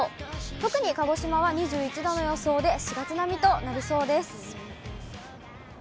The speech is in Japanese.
特に鹿児島は２１度の予想で４月並みとなりそうです。